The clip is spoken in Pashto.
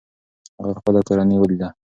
هغه خپله کورنۍ وليده.